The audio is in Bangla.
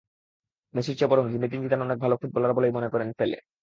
মেসির চেয়ে বরং জিনেদিন জিদান অনেক ভালো ফুটবলার বলেই মনে করেন পেলে।